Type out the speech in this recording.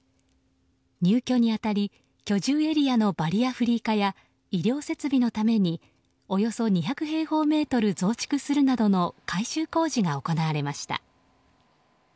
入居に当たり居住エリアのバリアフリー化や医療設備のためにおよそ２００平方メートル増築するなどの改修工事が行われました。